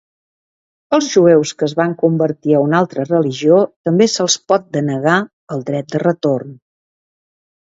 Els Jueus que es van convertir a una altra religió també se'ls pot denegar el dret de retorn.